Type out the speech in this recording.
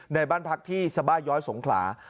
ในบ้านพักที่สบาย้อยสงขลา